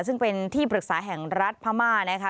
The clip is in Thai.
ซึ่งเป็นที่ปรึกษาแห่งรัฐพม่านะคะ